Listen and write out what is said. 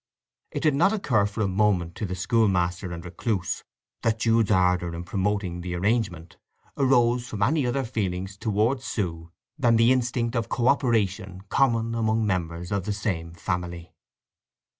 It did not occur for a moment to the schoolmaster and recluse that Jude's ardour in promoting the arrangement arose from any other feelings towards Sue than the instinct of co operation common among members of the same family.